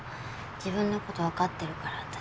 自分のこと分かってるから私。